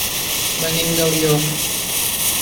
Venim d'Alió.